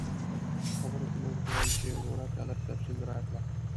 په خبرو کې مې ورته وویل چې ورورکه لږ تفصیل راکړه.